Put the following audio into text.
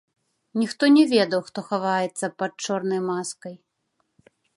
Ніхто не ведаў, хто хаваецца пад чорнай маскай.